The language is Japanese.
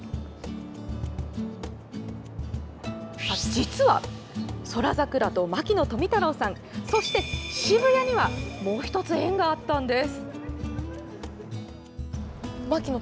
実は、宇宙桜と牧野富太郎さんそして渋谷にはもう１つ縁があったんです。